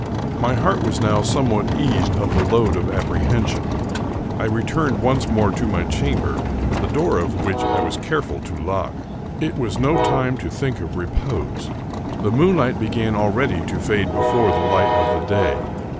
My heart was now somewhat eased of the load of ap prehension. I returned once more to my chamber, the door of which I was careful to lock. It was no time to think of repose. The moonlight began already to fade before the light of the day.